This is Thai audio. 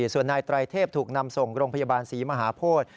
ส่วนนายไตรเทพถูกนำส่งโรงพยาบาลศรีมหาโพธิ